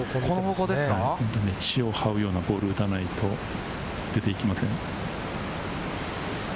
地を這うようなボールを打たないと出ていきません。